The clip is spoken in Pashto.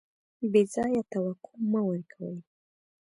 بې ځایه توقع مه ورکوئ.